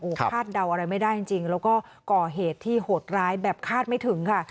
คาดเดาอะไรไม่ได้จริงแล้วก็ก่อเหตุที่โหดร้ายแบบคาดไม่ถึงค่ะ